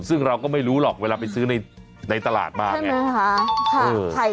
ซึ่งเราก็ไม่รู้หรอกเวลาไปซื้อในตลาดบ้างไงนะใช่ไหมฮะ